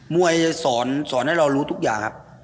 วยสอนให้เรารู้ทุกอย่างครับ